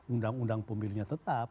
undang undang pemilunya tetap